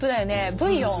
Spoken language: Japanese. ブイヨン。